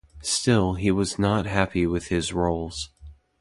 Still, he was not happy with his roles.